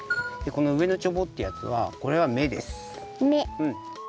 でこの上のチョボってやつはこれはめです。